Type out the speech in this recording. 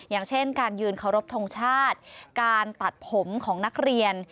อย่างเช่นการยืนเคารพทงชาติการตัดผมของนักเรียน